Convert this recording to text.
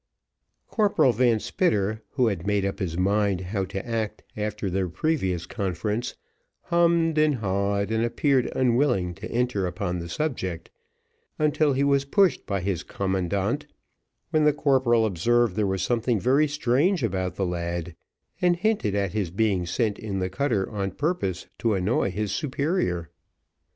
Corporal Van Spitter, who had made up his mind how to act after their previous conference, hummed and ha'ed, and appeared unwilling to enter upon the subject, until he was pushed by his commandant, when the corporal observed there was something very strange about the lad, and hinted at his being sent in the cutter on purpose to annoy his superior.